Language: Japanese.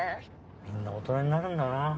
みんな大人になるんだなあ。